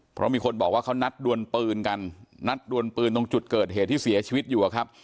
เพราะมีคนบอกว่าเขานัดดวนปืนกันนัดดวนปืนตรงจุดเกิดเหตุที่เสียชีวิตอยู่อะครับ